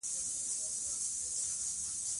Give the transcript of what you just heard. تاریخ د خپل ولس د احترام لامل دی.